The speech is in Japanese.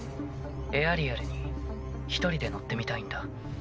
エアリアルに一人で乗ってみたいんだ。